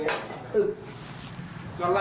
มือไหนมือไหนมือไหน